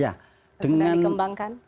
yang sudah dikembangkan